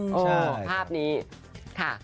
ภาพนี้ค่ะ